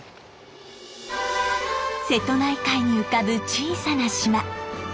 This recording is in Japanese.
瀬戸内海に浮かぶ小さな島小与島。